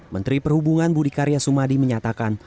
menteri perhubungan budi karya sumadi menyatakan